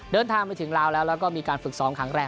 เดินทางไปถึงลาวแล้วแล้วก็มีการฝึกซ้อมขังแรง